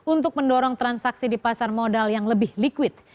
untuk mendorong transaksi di pasar modal yang lebih liquid